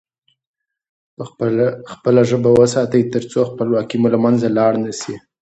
خپله ژبه وساتئ ترڅو خپلواکي مو له منځه لاړ نه سي.